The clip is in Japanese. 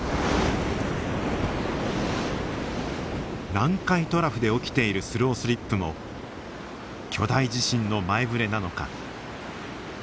南海トラフで起きているスロースリップも巨大地震の前触れなのか。